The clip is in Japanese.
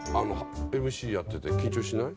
ＭＣやってて緊張しない？